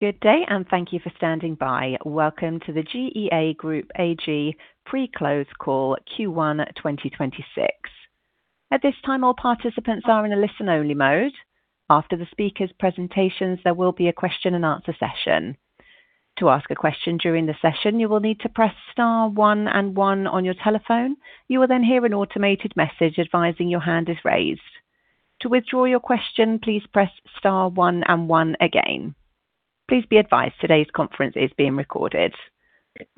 Good day, and thank you for standing by. Welcome to the GEA Group AG pre-close call Q1 2026. At this time, all participants are in a listen-only mode. After the speakers' presentations, there will be a question-and-answer session. To ask a question during the session, you will need to press star one and one on your telephone. You will then hear an automated message advising your hand is raised. To withdraw your question, please press star one and one again. Please be advised today's conference is being recorded.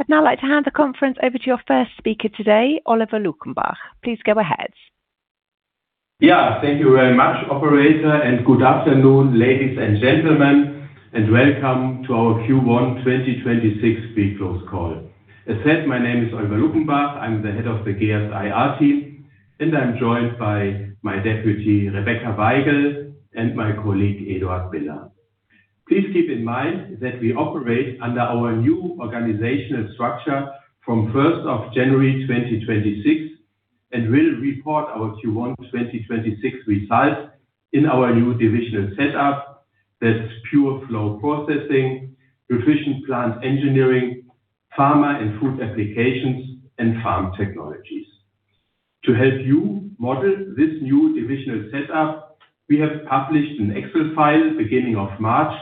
I'd now like to hand the conference over to your first speaker today, Oliver Luckenbach. Please go ahead. Yeah. Thank you very much, operator, and good afternoon, ladies and gentlemen, and welcome to our Q1 2026 pre-close call. As said, my name is Oliver Luckenbach. I'm the Head of the GEA IR team, and I'm joined by my deputy, Rebecca Weigl, and my colleague, Eduard Biller. Please keep in mind that we operate under our new organizational structure from 1st of January 2026, and will report our Q1 2026 results in our new divisional setup. That's Pure Flow Processing, Nutrition Plant Engineering, Pharma & Food Applications, and Farm Technologies. To help you model this new divisional setup, we have published an Excel file beginning of March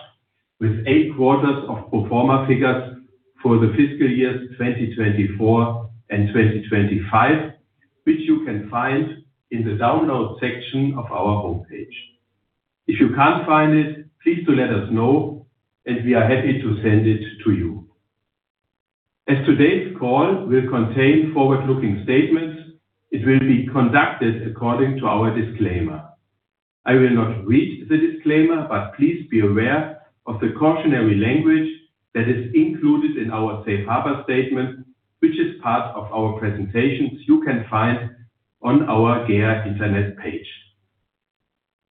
with eight quarters of pro forma figures for the fiscal years 2024 and 2025, which you can find in the download section of our homepage. If you can't find it, please do let us know, and we are happy to send it to you. As today's call will contain forward-looking statements, it will be conducted according to our disclaimer. I will not read the disclaimer, but please be aware of the cautionary language that is included in our safe harbor statement, which is part of our presentations you can find on our GEA internet page.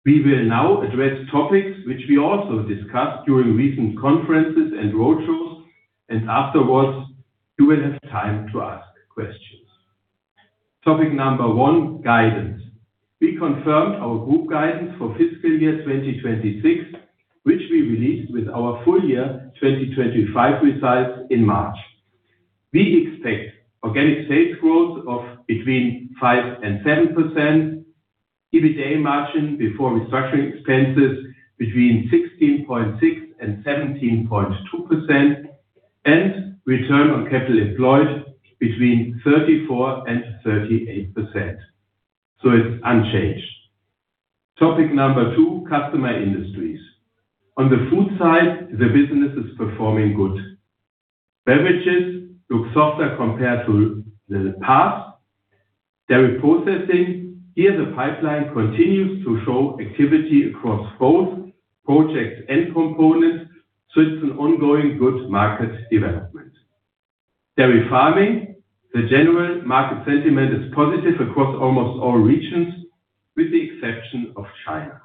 We will now address topics which we also discussed during recent conferences and road shows, and afterwards, you will have time to ask questions. Topic number one, guidance. We confirmed our group guidance for fiscal year 2026, which we released with our full year 2025 results in March. We expect organic sales growth of between 5%-7%, EBITA margin before restructuring expenses between 16.6%-17.2%, and return on capital employed between 34%-38%, so it's unchanged. Topic number two, customer industries. On the food side, the business is performing good. Beverages look softer compared to the past. Dairy processing, here the pipeline continues to show activity across both projects and components, so it's an ongoing good market development. Dairy farming, the general market sentiment is positive across almost all regions with the exception of China.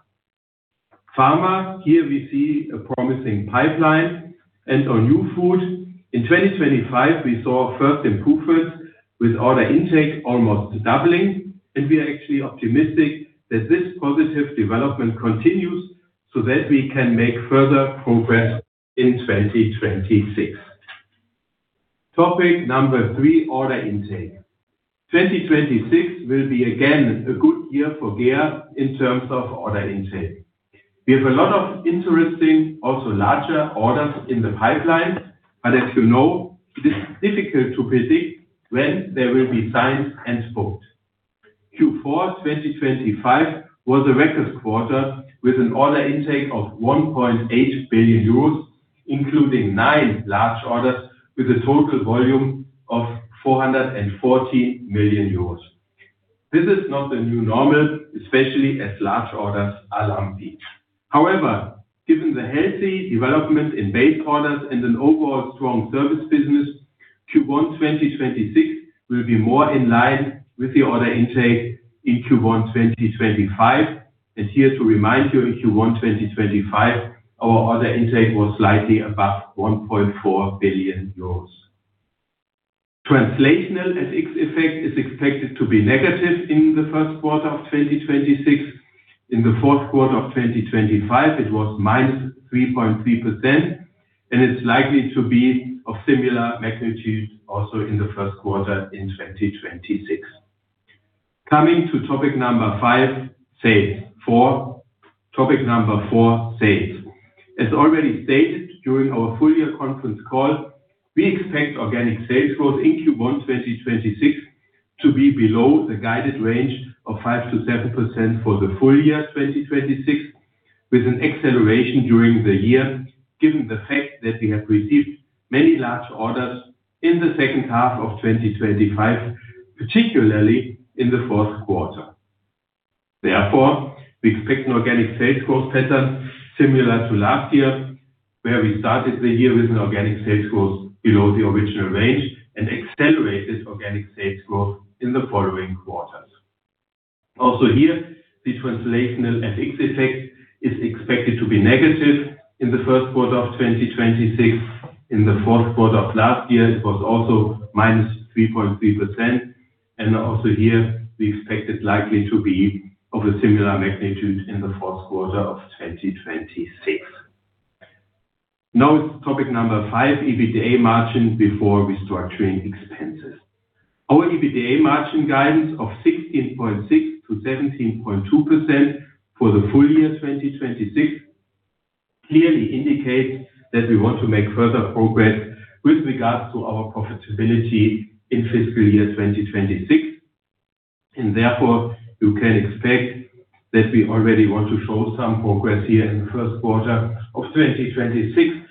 Pharma, here we see a promising pipeline. On New Food, in 2025, we saw first improvement with order intake almost doubling, and we are actually optimistic that this positive development continues so that we can make further progress in 2026. Topic number three, order intake. 2026 will be again a good year for GEA in terms of order intake. We have a lot of interesting, also larger orders in the pipeline, but as you know, it is difficult to predict when they will be signed and booked. Q4 2025 was a record quarter with an order intake of 1.8 billion euros, including nine large orders with a total volume of 440 million euros. This is not the new normal, especially as large orders are lumpy. However, given the healthy development in base orders and an overall strong service business, Q1 2026 will be more in line with the order intake in Q1 2025. Here to remind you, in Q1 2025, our order intake was slightly above 1.4 billion euros. Translational FX effect is expected to be negative in the first quarter of 2026. In the fourth quarter of 2025, it was -3.3%, and it's likely to be of similar magnitude also in the first quarter in 2026. Coming to topic number four, sales. As already stated during our full year conference call, we expect organic sales growth in Q1 2026 to be below the guided range of 5%-7% for the full year 2026, with an acceleration during the year, given the fact that we have received many large orders in the second half of 2025, particularly in the fourth quarter. Therefore, we expect an organic sales growth pattern similar to last year, where we started the year with an organic sales growth below the original range and accelerated organic sales growth in the following quarters. Also here, the translational FX effect is expected to be negative in the first quarter of 2026. In the fourth quarter of last year, it was also -3.3%. Also here, we expect it likely to be of a similar magnitude in the fourth quarter of 2026. Now it's topic number five, EBITDA margin before restructuring expenses. Our EBITDA margin guidance of 16.6%-17.2% for the full year 2026 clearly indicates that we want to make further progress with regards to our profitability in fiscal year 2026, and therefore you can expect that we already want to show some progress here in the first quarter of 2026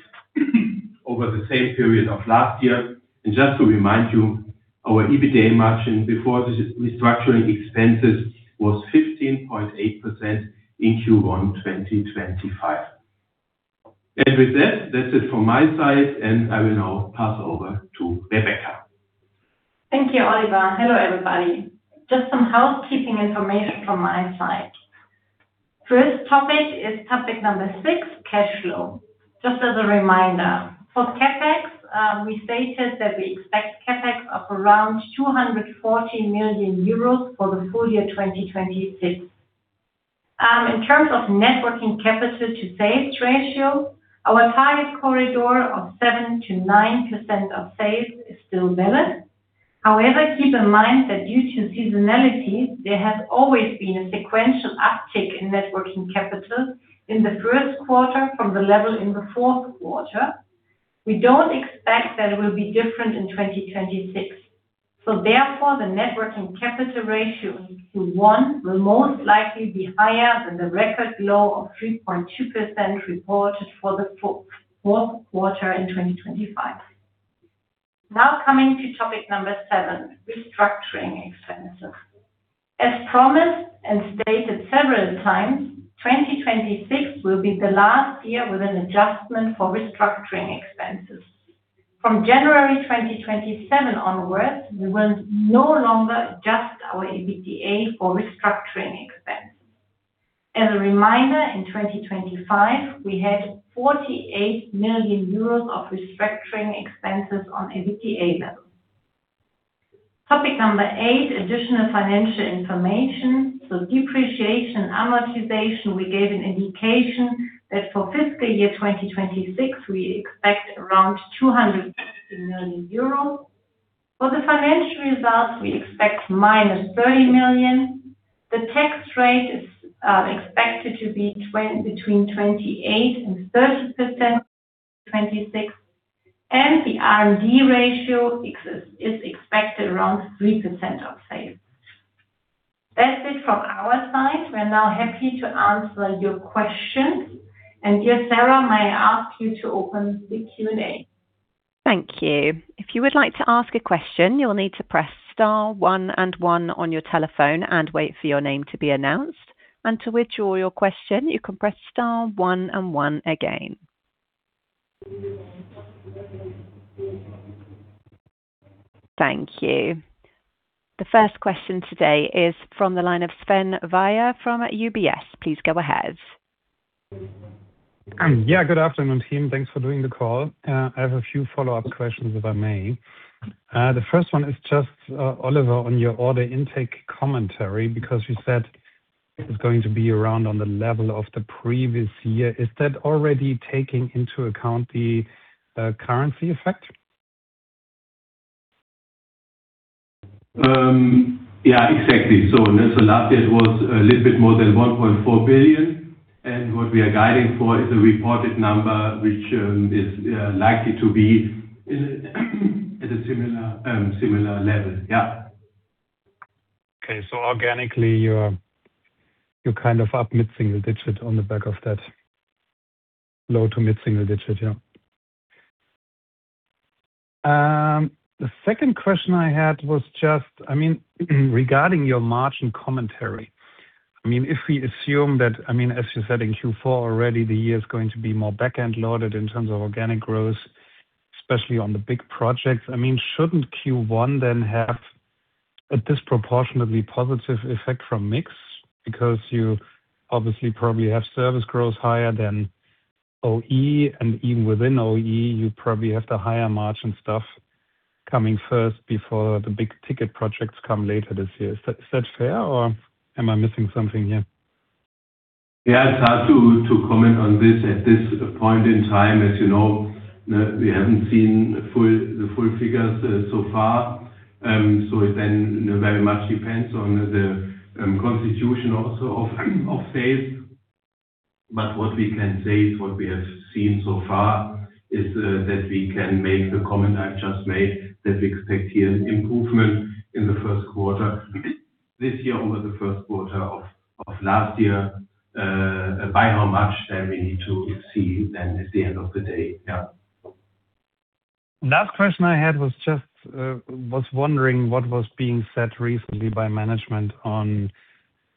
over the same period of last year. Just to remind you, our EBITDA margin before the restructuring expenses was 15.8% in Q1 2025. With that's it from my side, and I will now pass over to Rebecca. Thank you, Oliver. Hello, everybody. Just some housekeeping information from my side. First topic is topic number six, cash flow. Just as a reminder, for CapEx, we stated that we expect CapEx of around 240 million euros for the full year 2026. In terms of net working capital to sales ratio, our target corridor of 7%-9% of sales is still valid. However, keep in mind that due to seasonality, there has always been a sequential uptick in net working capital in the first quarter from the level in the fourth quarter. We don't expect that it will be different in 2026. Therefore, the net working capital ratio in Q1 will most likely be higher than the record low of 3.2% reported for the fourth quarter in 2025. Now coming to topic number seven, restructuring expenses. As promised and stated several times, 2026 will be the last year with an adjustment for restructuring expenses. From January 2027 onwards, we will no longer adjust our EBITDA for restructuring expense. As a reminder, in 2025, we had 48 million euros of restructuring expenses on EBITDA level. Topic number eight, additional financial information. Depreciation, amortization, we gave an indication that for fiscal year 2026, we expect around 250 million euros. For the financial results, we expect -30 million. The tax rate is expected to be between 28%-30% in 2026, and the R&D ratio is expected around 3% of sales. That's it from our side. We're now happy to answer your questions. Dear Sarah, may I ask you to open the Q&A? Thank you. If you would like to ask a question, you'll need to press star one and one on your telephone and wait for your name to be announced. To withdraw your question, you can press star one and one again. Thank you. The first question today is from the line of Sven Weier from UBS. Please go ahead. Yeah, good afternoon, team. Thanks for doing the call. I have a few follow-up questions, if I may. The first one is just, Oliver, on your order intake commentary, because you said it's going to be around on the level of the previous year. Is that already taking into account the currency effect? Yeah, exactly. Last year it was a little bit more than 1.4 billion, and what we are guiding for is a reported number, which is likely to be at a similar level. Yeah. Okay. Organically, you're kind of up mid-single-digit on the back of that. Low- to mid-single-digit, yeah. The second question I had was just regarding your margin commentary. If we assume that, as you said in Q4 already, the year is going to be more back-end loaded in terms of organic growth, especially on the big projects. Shouldn't Q1 then have a disproportionately positive effect from mix? Because you obviously probably have service growth higher than OE, and even within OE, you probably have the higher margin stuff coming first before the big-ticket projects come later this year. Is that fair or am I missing something here? Yeah, it's hard to comment on this at this point in time. As you know, we haven't seen the full figures so far. It then very much depends on the composition also of sales. What we can say is what we have seen so far is that we can make the comment I've just made, that we expect here an improvement in the first quarter this year over the first quarter of last year. By how much, then we need to see at the end of the day. Yeah. Last question I had was just, was wondering what was being said recently by management on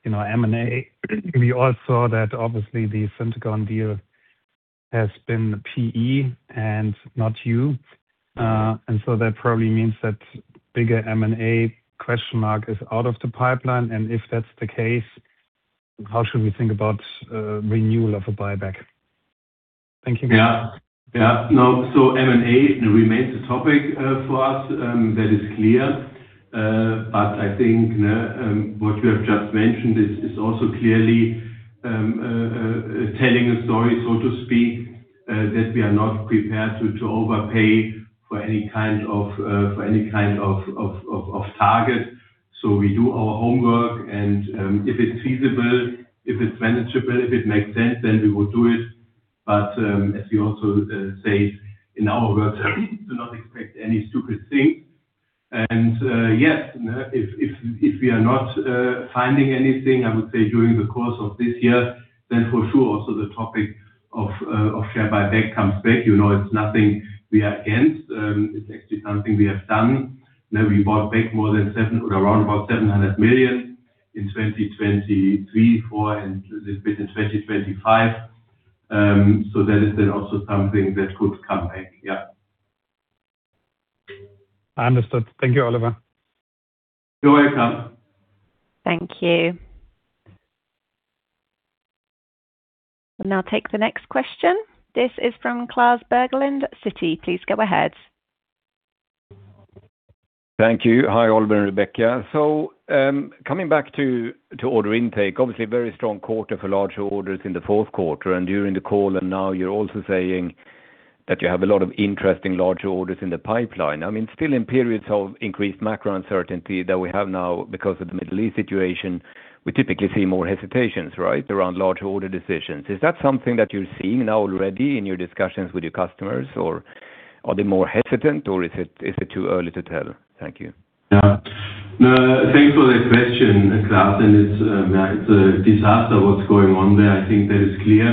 M&A. We all saw that obviously the Syntegon deal has been PE and not you. That probably means that bigger M&A question mark is out of the pipeline, and if that's the case, how should we think about renewal of a buyback? Thank you. Yeah. M&A remains a topic for us, that is clear. I think what we have just mentioned is also clearly telling a story, so to speak, that we are not prepared to overpay for any kind of target. We do our homework, and if it's feasible, if it's manageable, if it makes sense, then we will do it. As we also say in our world, do not expect any stupid things. Yes, if we are not finding anything, I would say during the course of this year, then for sure, also the topic of share buyback comes back. It's nothing we are against. It's actually something we have done. We bought back more than 700 million in 2023, 2024, and a little bit in 2025. That is then also something that could come back. Yeah. Understood. Thank you, Oliver. You're welcome. Thank you. We'll now take the next question. This is from Klas Bergelind, Citi. Please go ahead. Thank you. Hi, Oliver and Rebecca. Coming back to order intake, obviously a very strong quarter for larger orders in the fourth quarter. During the call, and now you're also saying that you have a lot of interesting larger orders in the pipeline. Still in periods of increased macro uncertainty that we have now because of the Middle East situation, we typically see more hesitations, right, around larger order decisions. Is that something that you're seeing now already in your discussions with your customers, or are they more hesitant, or is it too early to tell? Thank you. Yeah. Thanks for the question, Klas. It's a disaster what's going on there, I think that is clear.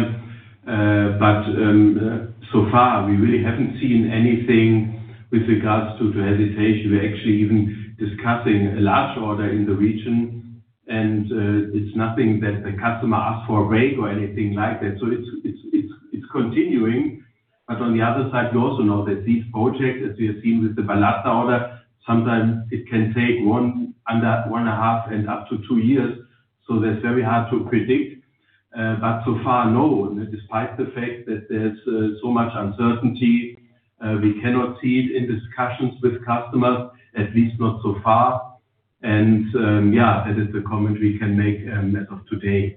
So far we really haven't seen anything with regards to hesitation. We're actually even discussing a large order in the region, and it's nothing that the customer asked for a break or anything like that. It's continuing. On the other side, we also know that these projects, as we have seen with the Baladna order, sometimes it can take 1.5 and up to two years. That's very hard to predict. So far, no, despite the fact that there's so much uncertainty, we cannot see it in discussions with customers, at least not so far. Yeah, that is the comment we can make as of today.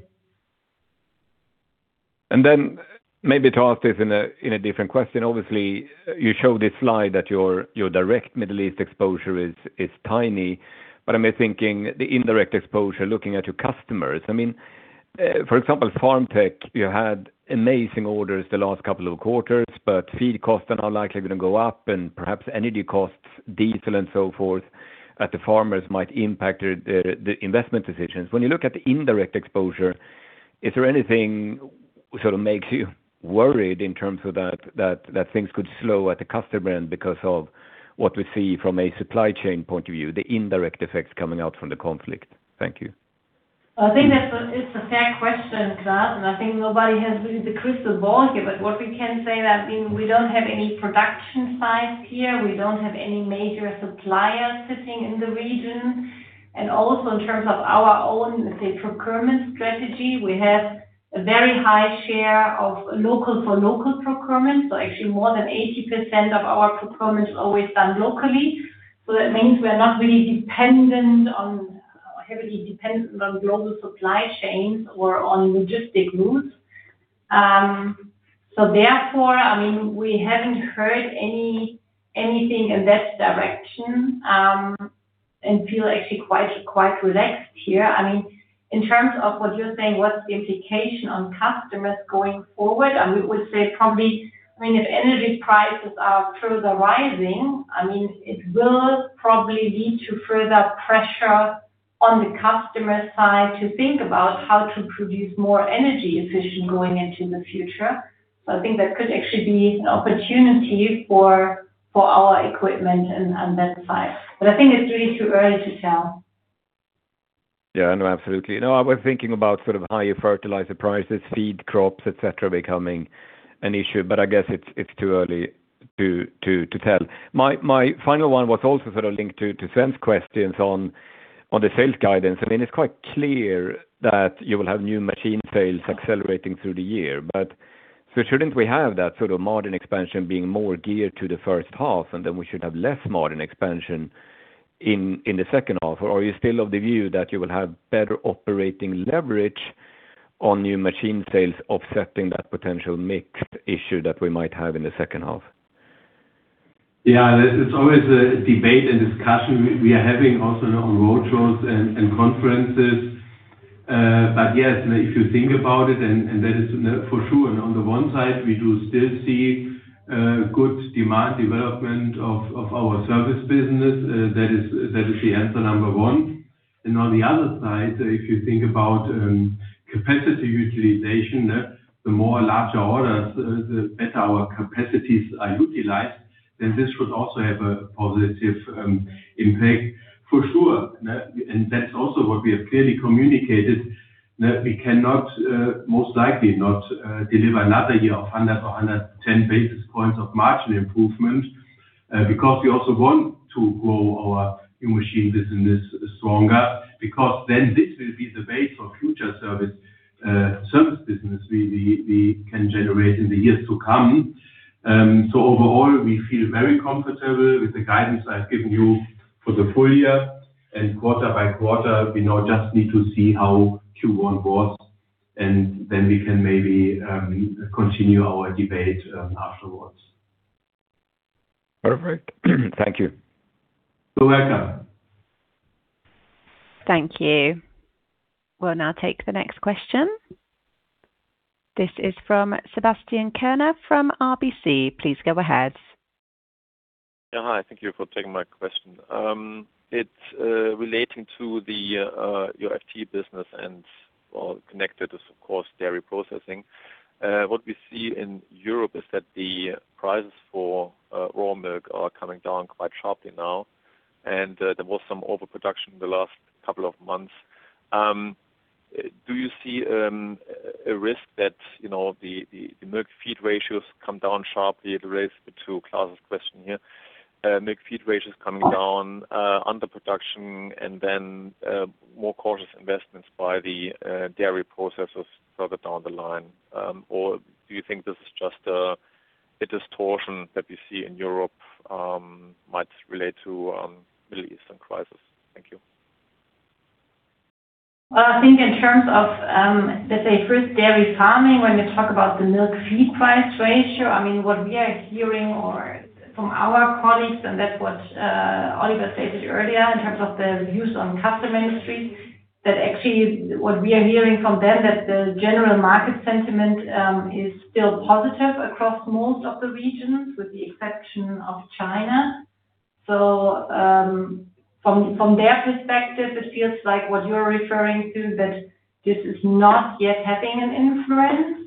Maybe to ask this in a different question. Obviously, you show this slide that your direct Middle East exposure is tiny, but I'm thinking the indirect exposure, looking at your customers. For example, Farm Tech, you had amazing orders the last couple of quarters, but feed costs are now likely going to go up and perhaps energy costs, diesel and so forth, that the farmers might impact the investment decisions. When you look at the indirect exposure, is there anything that sort of makes you worried in terms of that things could slow at the customer end because of what we see from a supply chain point of view, the indirect effects coming out from the conflict? Thank you. I think that it's a fair question, Klas, and I think nobody has really the crystal ball here. What we can say that we don't have any production sites here. We don't have any major suppliers sitting in the region. Also in terms of our own, say, procurement strategy, we have a very high share of local for local procurement. Actually more than 80% of our procurement is always done locally. That means we are not really heavily dependent on global supply chains or on logistic routes. Therefore, we haven't heard anything in that direction, and feel actually quite relaxed here. In terms of what you're saying, what's the implication on customers going forward? We would say probably if energy prices are further rising, it will probably lead to further pressure on the customer side to think about how to produce more energy efficient going into the future. I think that could actually be an opportunity for our equipment on that side. I think it's really too early to tell. Yeah, I know, absolutely. I was thinking about higher fertilizer prices, feed crops, et cetera, becoming an issue, but I guess it's too early to tell. My final one was also sort of linked to Sven's questions on the sales guidance. It's quite clear that you will have new machine sales accelerating through the year. Shouldn't we have that sort of margin expansion being more geared to the first half, and then we should have less margin expansion in the second half? Are you still of the view that you will have better operating leverage on new machine sales offsetting that potential mix issue that we might have in the second half? Yeah. It's always a debate and discussion we are having also on road shows and conferences. Yes, if you think about it, and that is for sure, and on the one side, we do still see good demand development of our service business. That is the answer number one. On the other side, if you think about capacity utilization, the more larger orders, the better our capacities are utilized, then this should also have a positive impact, for sure. That's also what we have clearly communicated, that we cannot, most likely not, deliver another year of 100 or 110 basis points of margin improvement. Because we also want to grow our in-machine business stronger, because then this will be the base of future service business we can generate in the years to come. Overall, we feel very comfortable with the guidance I've given you for the full year. Quarter-by-quarter, we now just need to see how Q1 was, and then we can maybe continue our debate afterwards. Perfect. Thank you. You're welcome. Thank you. We'll now take the next question. This is from Sebastian Künne from RBC. Please go ahead. Hi. Thank you for taking my question. It's relating to the UHT business and connected is, of course, dairy processing. What we see in Europe is that the prices for raw milk are coming down quite sharply now, and there was some overproduction in the last couple of months. Do you see a risk that the milk-feed ratios come down sharply to raise the two classes question here, milk-feed ratios coming down, under production, and then more cautious investments by the dairy processors further down the line? Or do you think this is just a distortion that we see in Europe might relate to Middle East crisis? Thank you. I think in terms of, let's say first dairy farming, when you talk about the milk-feed price ratio, what we are hearing from our colleagues, and that's what Oliver stated earlier in terms of the views on customer industry, that actually what we are hearing from them that the general market sentiment is still positive across most of the regions, with the exception of China. From their perspective, it feels like what you're referring to, that this is not yet having an influence.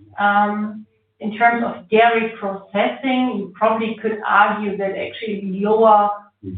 In terms of dairy processing, you probably could argue that actually lower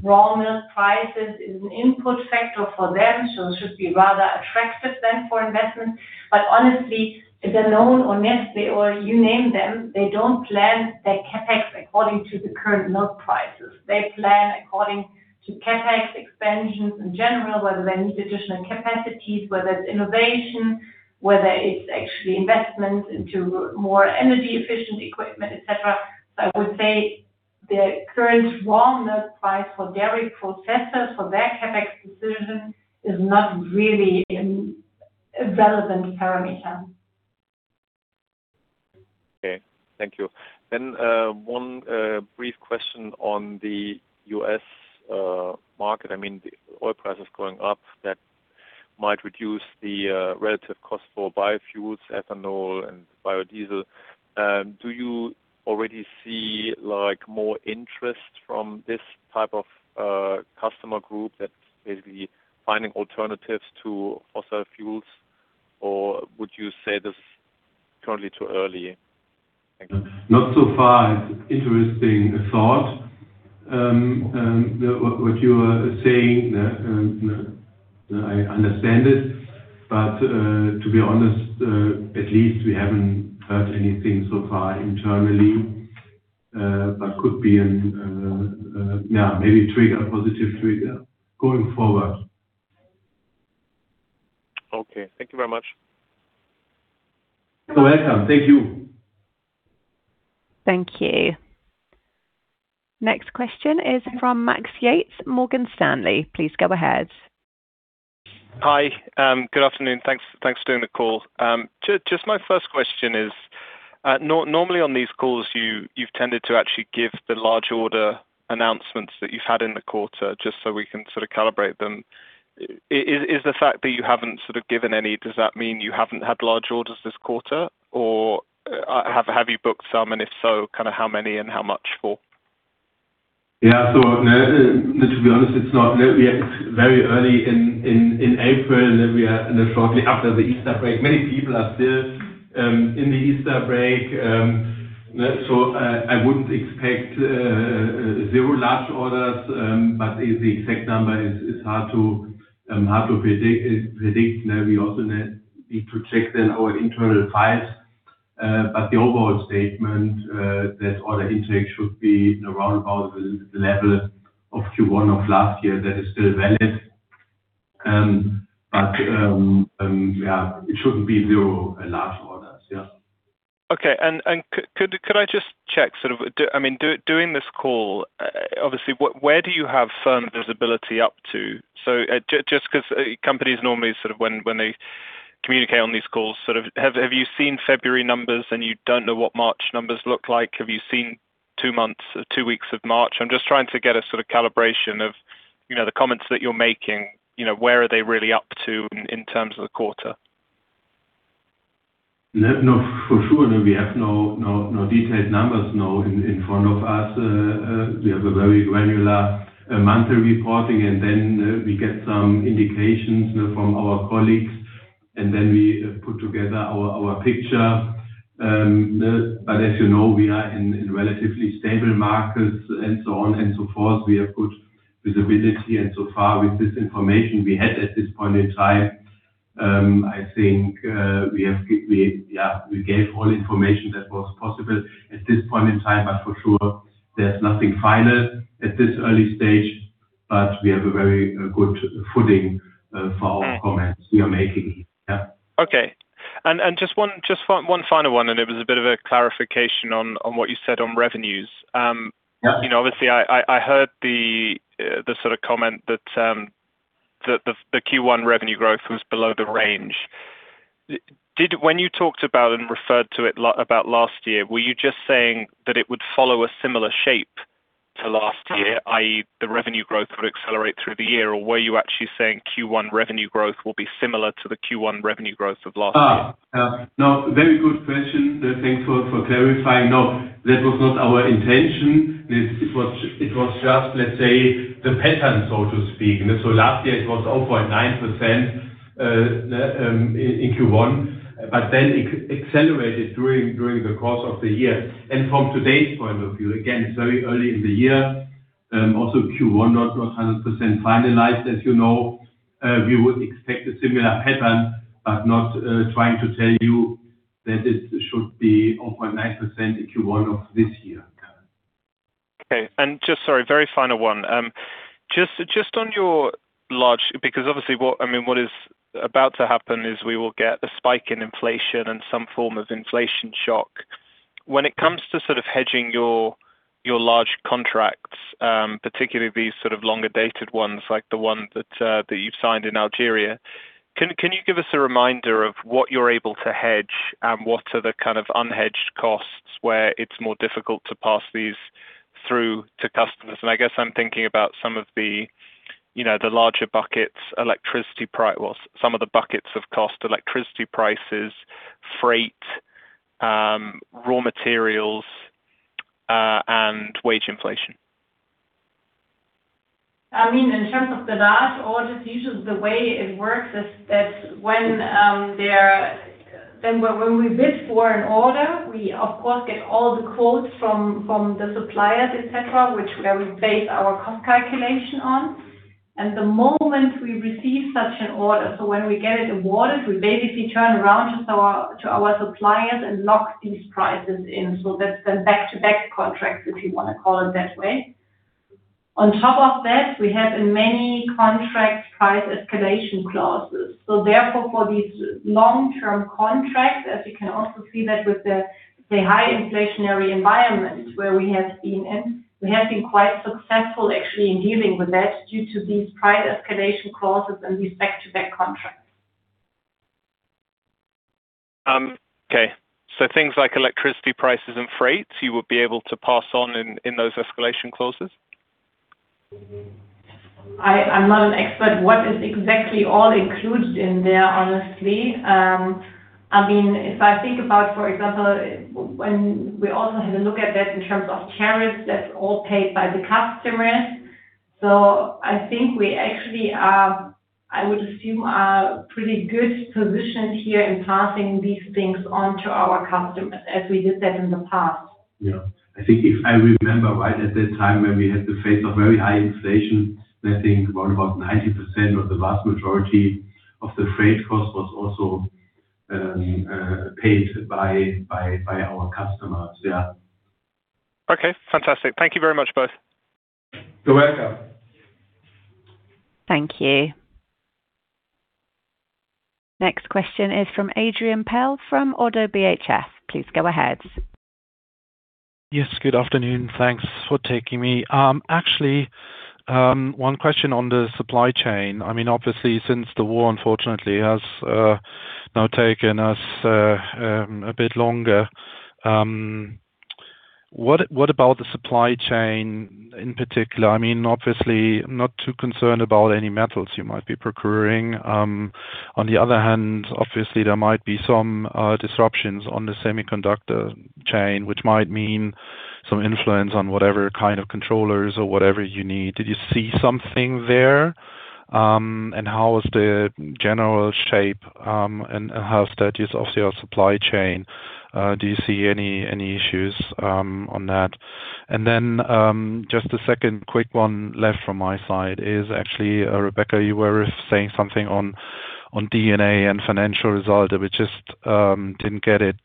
raw milk prices is an input factor for them, so it should be rather attractive then for investment. Honestly, Danone or Nestlé or you name them, they don't plan their CapEx according to the current milk prices. They plan according to CapEx expansions in general, whether they need additional capacities, whether it's innovation, whether it's actually investment into more energy efficient equipment, et cetera. I would say the current raw milk price for dairy processors for their CapEx decision is not really a relevant parameter. Okay. Thank you. One brief question on the U.S. market. The oil price is going up, that might reduce the relative cost for biofuels, ethanol, and biodiesel. Do you already see more interest from this type of customer group that's basically finding alternatives to fossil fuels, or would you say it's currently too early? Thank you. Not so far. It's interesting thought. What you are saying, I understand it, but to be honest, at least we haven't heard anything so far internally. Could be, yeah, maybe a positive trigger going forward. Okay. Thank you very much. You're welcome. Thank you. Thank you. Next question is from Max Yates, Morgan Stanley. Please go ahead. Hi. Good afternoon. Thanks for doing the call. Just my first question is, normally on these calls, you've tended to actually give the large order announcements that you've had in the quarter just so we can sort of calibrate them. Is the fact that you haven't given any, does that mean you haven't had large orders this quarter or have you booked some, and if so, how many and how much for? Yeah. To be honest, it's very early in April. We are shortly after the Easter break. Many people are still in the Easter break. I wouldn't expect zero large orders, but the exact number is hard to predict. We also need to check then our internal files. The overall statement, that order intake should be around about the level of Q1 of last year, that is still valid. Yeah, it shouldn't be zero large orders. Yeah. Okay. Could I just check, doing this call, obviously, where do you have firm visibility up to? Just because companies normally when they communicate on these calls, have you seen February numbers and you don't know what March numbers look like? Have you seen two weeks of March? I'm just trying to get a sort of calibration of the comments that you're making, where are they really up to in terms of the quarter? No, for sure. We have no detailed numbers now in front of us. We have a very granular monthly reporting, and then we get some indications from our colleagues, and then we put together our picture. As you know, we are in relatively stable markets and so on and so forth. We have good visibility. So far with this information we had at this point in time, I think we gave all information that was possible at this point in time, but for sure there's nothing final at this early stage. We have a very good footing for our comments we are making. Yeah. Okay. Just one final one, and it was a bit of a clarification on what you said on revenues. Yeah. Obviously, I heard the sort of comment that the Q1 revenue growth was below the range. When you talked about and referred to it about last year, were you just saying that it would follow a similar shape to last year, i.e., the revenue growth would accelerate through the year? Or were you actually saying Q1 revenue growth will be similar to the Q1 revenue growth of last year? No, very good question. Thanks for clarifying. No, that was not our intention. It was just, let's say, the pattern, so to speak. Last year, it was 0.9% in Q1, but then it accelerated during the course of the year. From today's point of view, again, it's very early in the year, also Q1, not 100% finalized, as you know. We would expect a similar pattern, but not trying to tell you that it should be 0.9% in Q1 of this year. Okay. Just, sorry, very final one. Just on your large, because obviously, what is about to happen is we will get a spike in inflation and some form of inflation shock. When it comes to hedging your large contracts, particularly these sort of longer-dated ones like the one that you've signed in Algeria, can you give us a reminder of what you're able to hedge and what are the kind of unhedged costs where it's more difficult to pass these through to customers? I guess I'm thinking about some of the larger buckets, electricity price, well, some of the buckets of cost, electricity prices, freight, raw materials, and wage inflation. In terms of the large orders, usually the way it works is that when we bid for an order, we of course get all the quotes from the suppliers, et cetera, which is where we base our cost calculation on. The moment we receive such an order, so when we get it awarded, we basically turn around to our suppliers and lock these prices in. That's the back-to-back contract, if you want to call it that way. On top of that, we have in many contracts, price escalation clauses. Therefore, for these long-term contracts, as you can also see that, with the high inflationary environment where we have been in, we have been quite successful actually in dealing with that due to these price escalation clauses and these back-to-back contracts. Okay. Things like electricity prices and freight, you would be able to pass on in those escalation clauses? I'm not an expert. What is exactly all included in there, honestly? If I think about, for example, when we also had a look at that in terms of tariffs, that's all paid by the customers. I think we actually are, I would assume, a pretty good position here in passing these things on to our customers, as we did that in the past. Yeah. I think if I remember right at that time when we had to face a very high inflation, I think around about 90% or the vast majority of the freight cost was also paid by our customers. Yeah. Okay. Fantastic. Thank you very much, both. You're welcome. Thank you. Next question is from Adrian Pehl from Oddo BHF. Please go ahead. Yes, good afternoon. Thanks for taking me. Actually, one question on the supply chain. Obviously, since the war, unfortunately, has now taken us a bit longer. What about the supply chain in particular? Obviously, I'm not too concerned about any metals you might be procuring. On the other hand, obviously, there might be some disruptions on the semiconductor chain, which might mean some influence on whatever kind of controllers or whatever you need. Did you see something there? How is the general shape, and how is the status of your supply chain? Do you see any issues on that? Just a second quick one left from my side is actually, Rebecca, you were saying something on D&A and financial result. I just didn't get it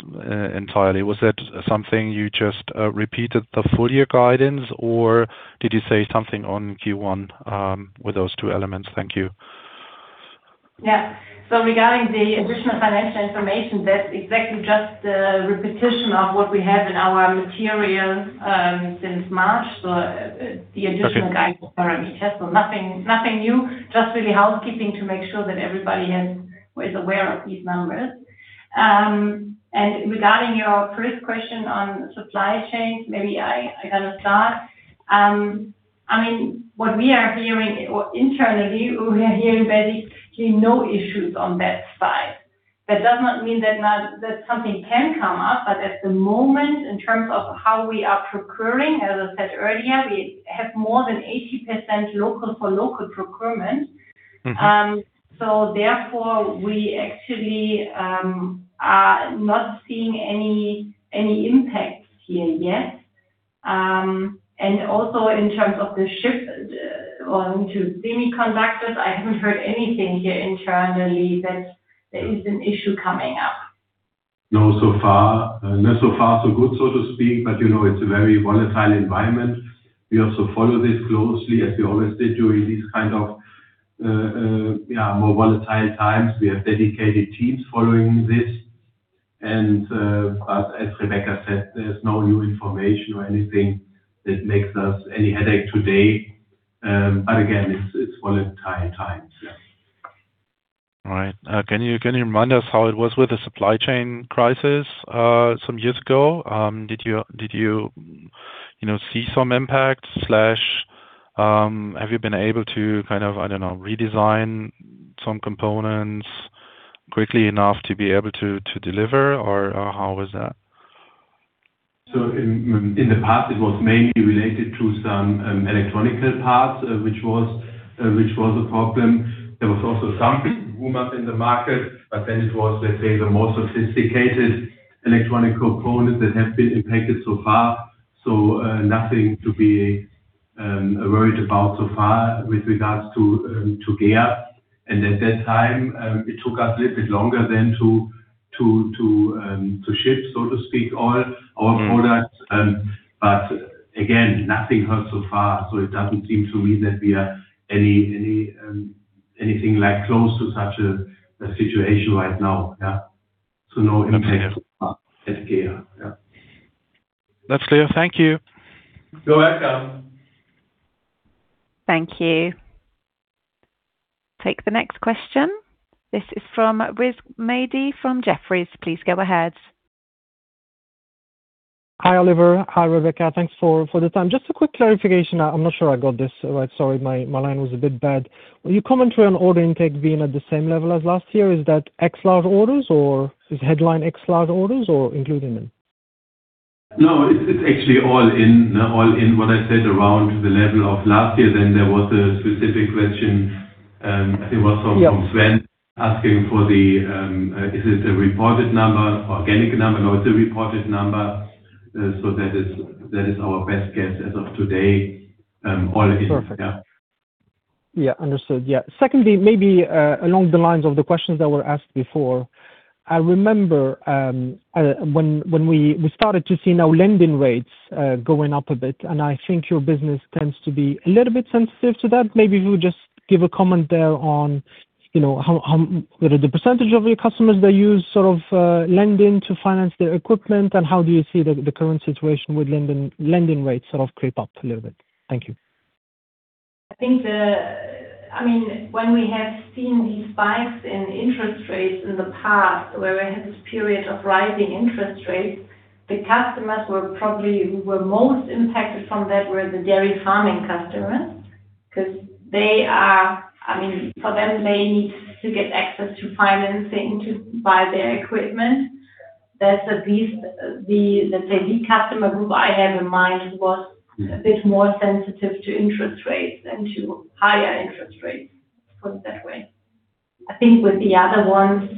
entirely. Was that something you just repeated the full year guidance, or did you say something on Q1 with those two elements? Thank you. Yeah. Regarding the additional financial information, that's exactly just the repetition of what we have in our material since March. The additional guidance. Nothing new. Just really housekeeping to make sure that everybody is aware of these numbers. Regarding your first question on supply chain, maybe I kind of start. We are hearing very clearly no issues on that side. That does not mean that something can come up, but at the moment, in terms of how we are procuring, as I said earlier, we have more than 80% local for local procurement. Mm-hmm. Therefore, we actually are not seeing any impacts here yet. In terms of the shift onto semiconductors, I haven't heard anything here internally that there is an issue coming up. No, so far, so good, so to speak, but it's a very volatile environment. We also follow this closely, as we always did during these kind of more volatile times. We have dedicated teams following this, and, as Rebecca said, there's no new information or anything that makes us any headache today. Again, it's volatile times. Yeah. All right. Can you remind us how it was with the supply chain crisis some years ago? Did you see some impact, or have you been able to, I don't know, redesign some components quickly enough to be able to deliver, or how was that? In the past, it was mainly related to some electronic parts, which was a problem. There was also some boom up in the market, but then it was, let's say, the more sophisticated electronic components that have been impacted so far. Nothing to be worried about so far with regard to GEA. At that time, it took us a little bit longer than to ship, so to speak, all our products. Again, nothing hurts so far, so it doesn't seem to me that we are anything close to such a situation right now. Yeah. No impact at GEA. Yeah. That's clear. Thank you. You're welcome. Thank you. Take the next question. This is from Rizk Maidi from Jefferies. Please go ahead. Hi, Oliver. Hi, Rebecca. Thanks for the time. Just a quick clarification. I'm not sure I got this right. Sorry, my line was a bit bad. Your commentary on order intake being at the same level as last year, is that ex large orders, or is headline ex large orders or including them? No, it's actually all in what I said around the level of last year. There was a specific question, I think it was from Sven. Yeah Asking for the, is it a reported number, organic number? No, it's a reported number. That is our best guess as of today. All in. Perfect. Yeah. Yeah. Understood. Yeah. Secondly, maybe along the lines of the questions that were asked before, I remember, when we started to see now lending rates going up a bit, and I think your business tends to be a little bit sensitive to that. Maybe if you would just give a comment there on whether the percentage of your customers that use lending to finance their equipment, and how do you see the current situation with lending rates creep up a little bit? Thank you. I think, when we have seen these spikes in interest rates in the past, where we had this period of rising interest rates, the customers who were most impacted from that were the dairy farming customers, because for them, they need to get access to financing to buy their equipment. That's the, let's say, the customer group I have in mind was a bit more sensitive to interest rates and to higher interest rates, put it that way. I think with the other ones,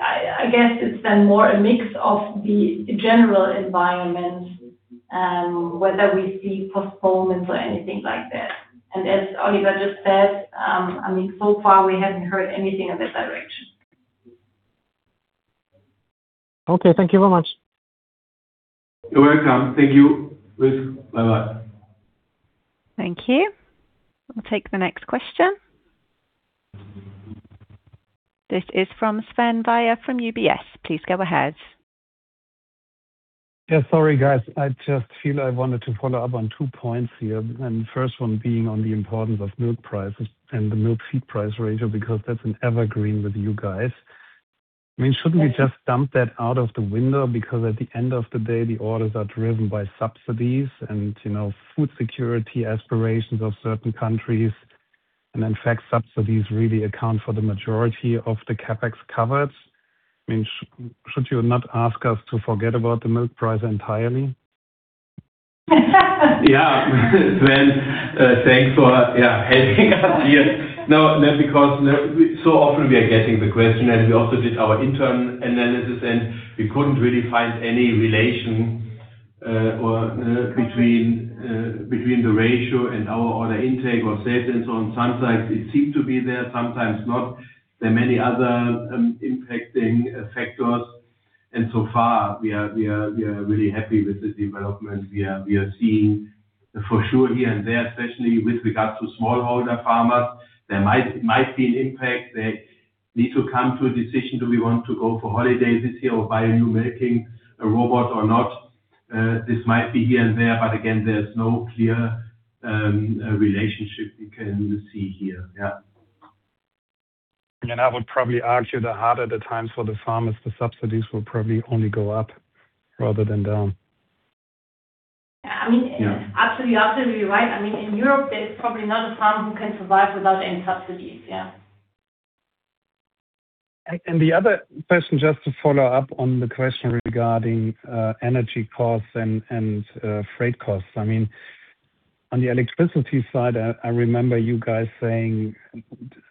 I guess it's then more a mix of the general environment, whether we see postponements or anything like that. As Oliver just said, so far we haven't heard anything in that direction. Okay. Thank you very much. You're welcome. Thank you, Riz. Bye-bye. Thank you. I'll take the next question. This is from Sven Weier from UBS. Please go ahead. Yeah. Sorry, guys. I just feel I wanted to follow up on two points here, and first one being on the importance of milk prices and the milk-feed price ratio, because that's an evergreen with you guys. Shouldn't we just dump that out of the window, because at the end of the day, the orders are driven by subsidies and food security aspirations of certain countries, and in fact, subsidies really account for the majority of the CapEx covers. Should you not ask us to forget about the milk price entirely? Yeah. Sven, thanks for helping us here. No, because so often we are getting the question, and we also did our internal analysis, and we couldn't really find any relation between the ratio and our order intake or sales and so on. Sometimes it seems to be there, sometimes not. There are many other impacting factors, and so far we are really happy with the development we are seeing for sure here and there, especially with regards to smallholder farmers. There might be an impact. They need to come to a decision. Do we want to go for holidays this year or buy a new milking robot or not? This might be here and there, but again, there's no clear relationship we can see here. Yeah. I would probably argue the harder the times for the farmers, the subsidies will probably only go up rather than down. Yeah. Absolutely right. In Europe, there's probably not a farm who can survive without any subsidies. Yeah. The other question, just to follow up on the question regarding energy costs and freight costs. On the electricity side, I remember you guys saying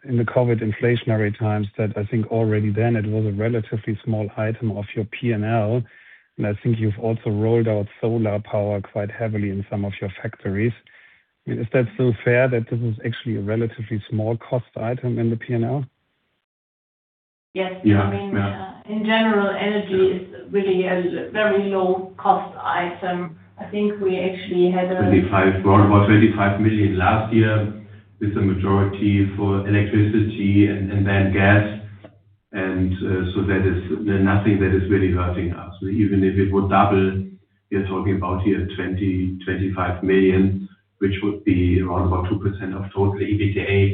in the COVID inflationary times that I think already then it was a relatively small item of your P&L, and I think you've also rolled out solar power quite heavily in some of your factories. Is that still fair that this is actually a relatively small cost item in the P&L? Yes. Yeah. In general, energy is really a very low-cost item. I think we actually had. About 35 million last year, with the majority for electricity and then gas. That is nothing that is really hurting us. Even if it would double, we are talking about here 20 million-25 million, which would be around about 2% of total EBITDA.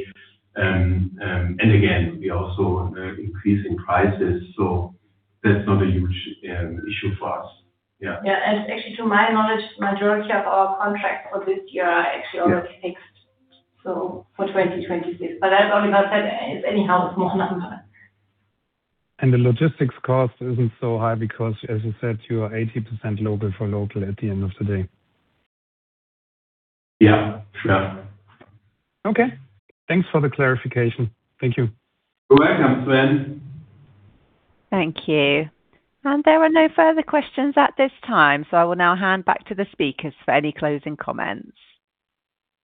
Again, we are also increasing prices, so that's not a huge issue for us. Yeah. Yeah. Actually, to my knowledge, majority of our contracts for this year are actually already fixed. Yeah. For 2026. That said, anyhow, it's more than half. The logistics cost isn't so high because, as you said, you are 80% local for local at the end of the day. Yeah. Sure. Okay. Thanks for the clarification. Thank you. You're welcome, Sven. Thank you. There are no further questions at this time, so I will now hand back to the speakers for any closing comments.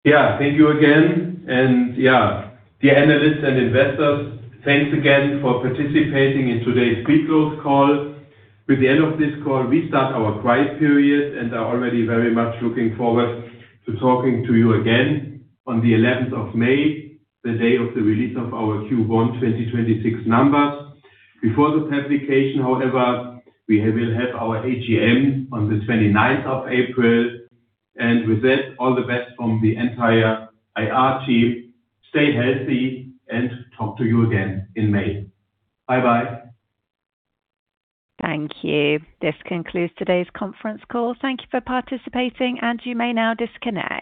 Yeah. Thank you again. Yeah, the analysts and investors, thanks again for participating in today's pre-close call. With the end of this call, we start our quiet period and are already very much looking forward to talking to you again on the 11th of May, the day of the release of our Q1 2026 numbers. Before this publication, however, we will have our AGM on the 29th of April. With that, all the best from the entire IR team. Stay healthy and talk to you again in May. Bye-bye. Thank you. This concludes today's conference call. Thank you for participating, and you may now disconnect.